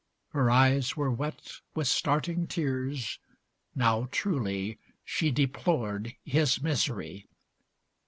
Her eyes were wet With starting tears, now truly she deplored XL His misery.